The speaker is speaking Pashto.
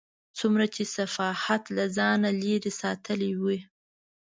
څومره چې صحافت له ځانه لرې ساتلی و.